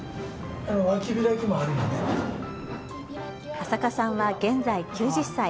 安積さんは現在９０歳。